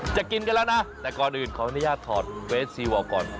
กินกันแล้วนะแต่ก่อนอื่นขออนุญาตถอดเฟสซีวอลก่อน